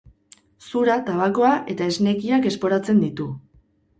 Zura, tabakoa eta esnekiak esportatzen ditu.